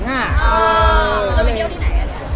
เราจะไปเที่ยวที่ไหน